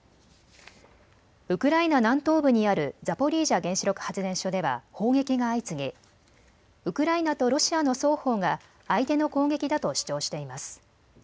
ウクライナ南東部にあるザポリージャ原子力発電所では砲撃が相次ぎウクライナとロシアの双方が相手の攻撃だと主張しています。